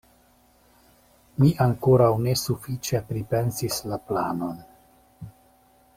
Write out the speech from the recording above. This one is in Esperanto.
Mi ankoraŭ ne sufiĉe pripensis la planon.